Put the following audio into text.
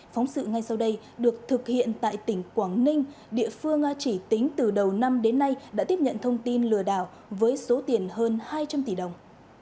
phóng sự ngay sau đây được thực hiện tại tỉnh quảng ninh địa phương chỉ tính từ đầu năm đến nay đã tiếp nhận thông tin lừa đảo với số tiền hơn hai trăm linh tỷ đồng